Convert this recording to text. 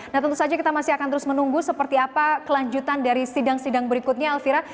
nah tentu saja kita masih akan terus menunggu seperti apa kelanjutan dari sidang sidang berikutnya elvira